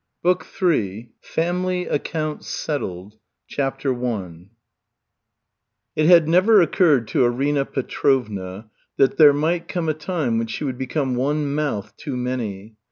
BOOK III FAMILY ACCOUNTS SETTLED CHAPTER I It had never occurred to Arina Petrovna that there might come a time when she would become "one mouth too many."